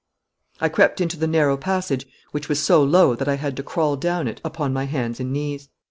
I crept into the narrow passage, which was so low that I had to crawl down it upon my hands and knees.